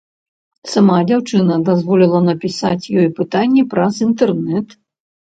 Сама дзяўчына дазволіла напісаць ёй пытанні праз інтэрнэт.